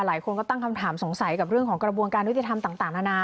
หลายคนก็ตั้งคำถามสงสัยกับเรื่องของกระบวนการยุติธรรมต่างนานา